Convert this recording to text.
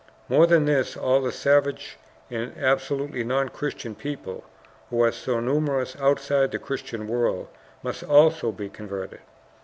More than this, all the savage and absolutely non Christian peoples, who are so numerous outside the Christian world, must also be converted.